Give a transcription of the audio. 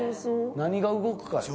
何が動くかや。